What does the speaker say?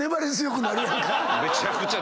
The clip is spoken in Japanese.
めちゃくちゃ。